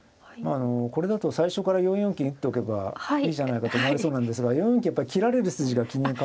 これだと最初から４四金打っておけばいいじゃないかと思われそうなんですが４四金やっぱり切られる筋が気にかかるんで。